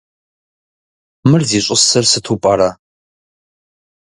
Мыр зищӀысыр сыту пӀэрэ?